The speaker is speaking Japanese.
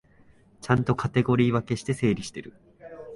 ちゃんとカテゴリー分けして整理してる